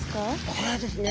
これはですね